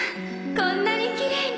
こんなにきれいに。